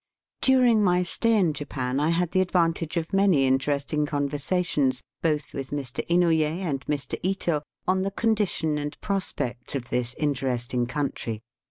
DuBiNG my stay in Japan, I had the advantage of many interesting conversations, both with Mr. Inouye and Mr. Ito, on the condition and prospects of this interesting country.